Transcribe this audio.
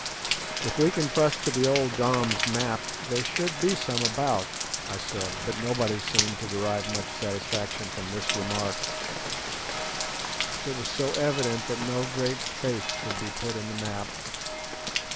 "If we can trust to the old Dom's map there should be some about," I said; but nobody seemed to derive much satisfaction from this remark. It was so evident that no great faith could be put in the map.